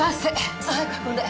さあ早く運んで。